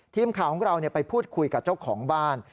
ทีมข่าวของเราไปพูดคุยกับเจ้าของบ้าน